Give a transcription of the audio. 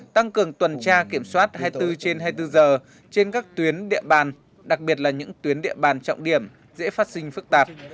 tăng cường tuần tra kiểm soát hai mươi bốn trên hai mươi bốn giờ trên các tuyến địa bàn đặc biệt là những tuyến địa bàn trọng điểm dễ phát sinh phức tạp